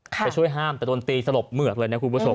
ไปช่วยห้ามแต่โดนตีสลบเหมือกเลยนะคุณผู้ชม